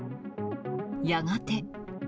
やがて。